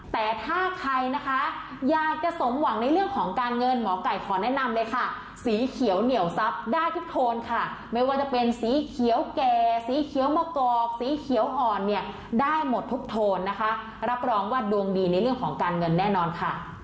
แต่ถ้าใครนะคะอยากจะสมหวังในเรื่องของการเงินหมอไก่ขอแนะนำเลยค่ะสีเขียวเหนียวซับได้ทุกโทนค่ะไม่ว่าจะเป็นสีเขียวแก่สีเขียวมะกอกสีเขียวอ่อนเนี่ยได้หมดทุกโทนนะคะรับรองว่าดวงดีในเรื่องของการเงินแน่นอนค่ะ